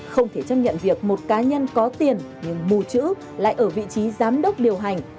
không thể chấp nhận việc một cá nhân có tiền nhưng mù chữ lại ở vị trí giám đốc điều hành